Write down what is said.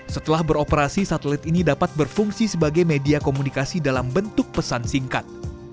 setelah beroperasi satelit ini dapat berfungsi sebagai media komunikasi dalam bentuk pesan singkat